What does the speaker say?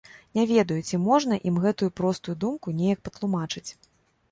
Не ведаю, ці можна ім гэтую простую думку неяк патлумачыць.